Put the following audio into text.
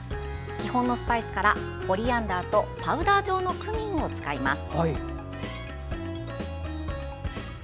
基本のスパイスからコリアンダーとパウダー状のクミンを使います。